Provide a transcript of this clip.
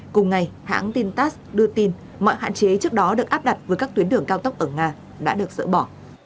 cùng ngày hãng tintas đưa tin mọi hạn chế trước đó được áp đặt với các tuyến đường cao tốc ở nga đã được sửa bỏ